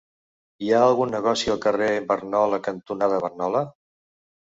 Hi ha algun negoci al carrer Barnola cantonada Barnola?